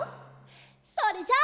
それじゃあ。